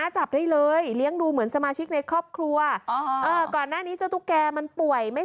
จับได้เลยเลี้ยงดูเหมือนสมาชิกในครอบครัว